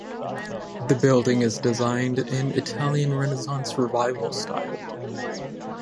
The building is designed in Italian Renaissance Revival style.